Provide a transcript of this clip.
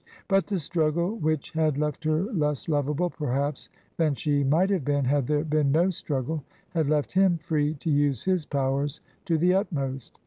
But the struggle, which had left her less lovable, perhaps, than she might have been had there been no struggle, had left him free to use his powers to the utmost.